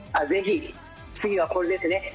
ぜひ次はこれですね。